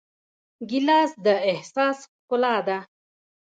ګیلاس د احساس ښکلا ده.